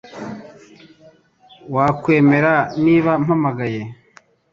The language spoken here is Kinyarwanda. Wakwemera niba mpamagaye ?